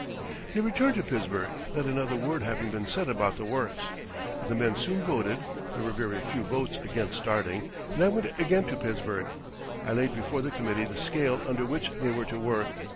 They returned to Pittsburgh, not another word having been said about the works. But the men soon voted (there were very few votes against starting) and I went again to Pittsburgh. I laid before the committee the scale under which they were to work.